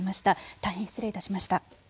大変失礼いたしました。